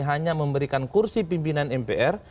hanya memberikan kursi pimpinan mpr